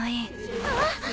あっ！？